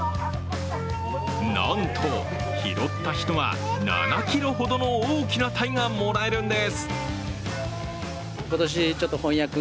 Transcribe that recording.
なんと、拾った人は７ｋｇほどの大きなタイがもらえるんです。